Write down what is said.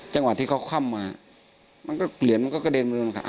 จังหวะที่เขาค่ำมาเหรียญมันก็กระเด็นมาด้วย